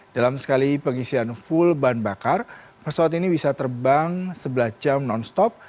dalam sekali pengisian full bahan bakar pesawat ini bisa terbang sebelas jam non stop